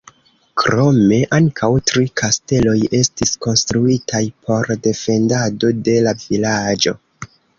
Krome, ankaŭ tri kasteloj estis konstruitaj por defendado de la vilaĝo.